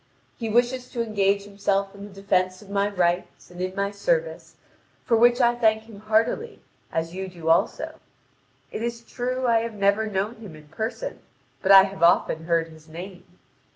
He wishes to engage himself in the defence of my rights and in my service, for which I thank him heartily, as you do also. It is true I have never known him in person, but I have often heard his name.